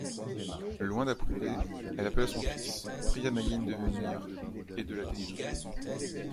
Loin d'approuver, elle appela son fils, pria Mayenne de venir et de la délivrer.